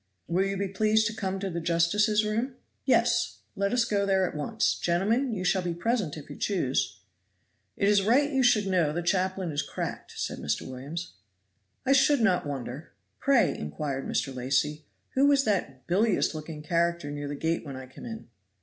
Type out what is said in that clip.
"Will you be pleased to come to the justices' room?" "Yes. Let us go there at once. Gentlemen, you shall be present if you choose." "It is right you should know the chaplain is cracked," said Mr. Williams. "I should not wonder. Pray," inquired Mr. Lacy, "who was that bilious looking character near the gate when I came in?"